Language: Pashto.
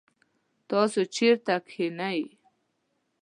تاسو چیرته کښېنئ؟